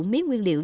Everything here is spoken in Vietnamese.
mía nguyên liệu